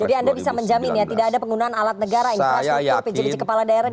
jadi anda bisa menjamin ya tidak ada penggunaan alat negara infrastruktur pj pj kepala daerah diarahkan